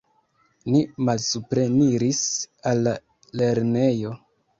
Ni malsupreniris al la lernejo.